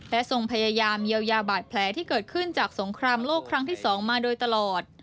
และทรงพยายามเยียวยาบาดแผลที่เกิดขึ้นจากสงครามโลกครั้งที่๒มาโดยตลอด